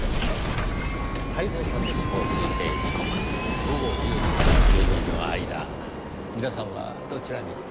泰造さんの死亡推定時刻午後１０時から１２時の間皆さんはどちらに？